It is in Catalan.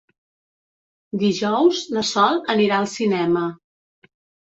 Dijous na Sol anirà al cinema.